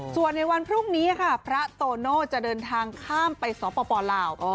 ส่วนในวันพรุ่งนี้ค่ะพระโตโน่จะเดินทางข้ามไปสปลาว